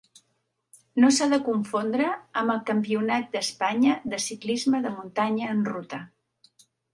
No s'ha de confondre amb el Campionat d'Espanya de ciclisme de muntanya en ruta.